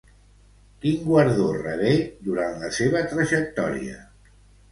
Quin guardó rebé durant la seva trajectòria?